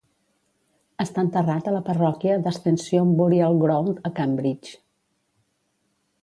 Està enterrat a la Parròquia d"Ascension Burial Ground a Cambridge.